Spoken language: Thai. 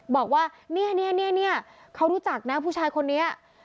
บอกว่าเนี่ยเขารู้จักนะผู้ชายคนนี้